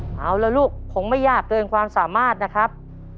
เอาละลูกคงไม่ยากเกินความสามารถนะครับ